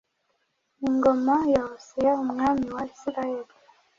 ingoma ya Hoseya umwami wa isirayeli